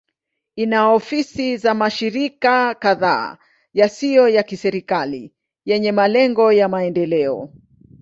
Ina ofisi za mashirika kadhaa yasiyo ya kiserikali yenye malengo ya maendeleo.